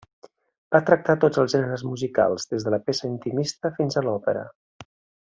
Va tractar tots els gèneres musicals, des de la peça intimista fins a l'òpera.